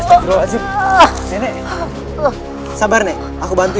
mas terlalu azib nenek sabar nek aku bantu ya